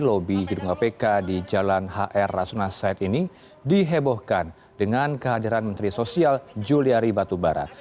lobi gedung kpk di jalan hr rasuna said ini dihebohkan dengan kehadiran menteri sosial juliari batubara